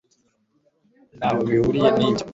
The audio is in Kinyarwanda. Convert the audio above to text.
ntaho bihuriye nibyo